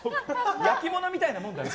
焼き物みたいなもんだ。